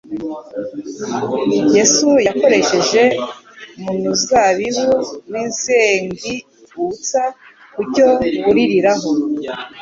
Yesu yakoresheje mnuzabibu wizengiuwtsa ku cyo wuririraho.